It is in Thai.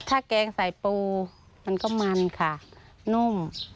ถ้าแกงใส่ปูมันก็มันค่ะนุ่ม